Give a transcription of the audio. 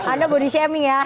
anda bodi semi ya